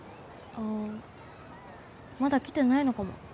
ああまだ来てないのかも